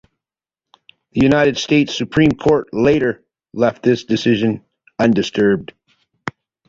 The United States Supreme Court later left this decision undisturbed.